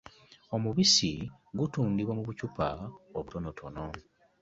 Omubisi gutundibwa mu bucupa obutonotono.